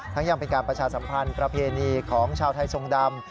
ยังเป็นการประชาสัมพันธ์ประเพณีของชาวไทยทรงดำ